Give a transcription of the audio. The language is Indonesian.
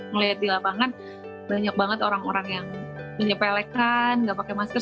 ngelihat di lapangan banyak banget orang orang yang menyepelekan nggak pakai masker